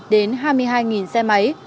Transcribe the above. đến hai mươi hai xe máy